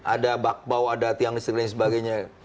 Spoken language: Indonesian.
ada bakpao ada tiang listrik dan sebagainya